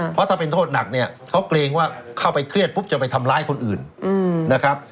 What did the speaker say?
เพราะถ้าเป็นโทษหนักเนี่ยเขาเกรงว่าเข้าไปเครียดปุ๊บจะไปทำร้ายคนอื่นนะครับ